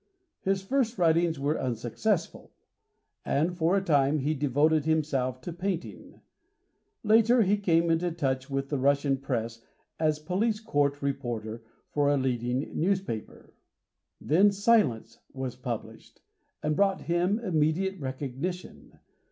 His first writings were unsuccessful; and, for a time, he devoted himself to painting. Later he came into touch with the Russian press as police court reporter for a leading newspaper. Then "Silence" was published, and brought him immediate recognition.